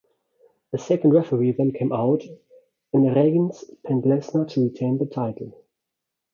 A second referee then came out and Reigns pinned Lesnar to retain the title.